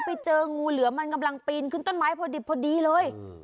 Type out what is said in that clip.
ไปเจองูเหลือมันกำลังปีนขึ้นต้นไม้พอดิบพอดีเลย